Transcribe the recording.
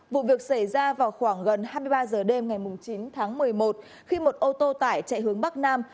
vụ việc xảy ra vào khoảng gần hai mươi ba h đêm ngày chín tháng một mươi một khi một ô tô tải chạy hướng bắc nam